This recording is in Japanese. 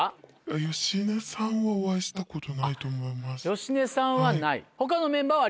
芳根さんはない。